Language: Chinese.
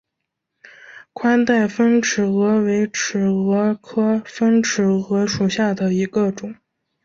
宽带峰尺蛾为尺蛾科峰尺蛾属下的一个种。